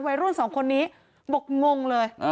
วัยรุ่นสองคนนี้บอกงงเลย